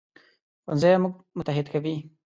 ښوونځی موږ متحد کوي